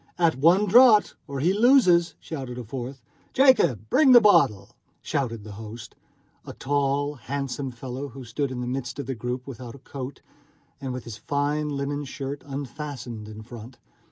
"At one draught, or he loses!" shouted a fourth. "Jacob, bring a bottle!" shouted the host, a tall, handsome fellow who stood in the midst of the group, without a coat, and with his fine linen shirt unfastened in front.